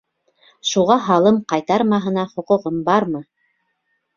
Шуға һалым ҡайтармаһына хоҡуғым бармы?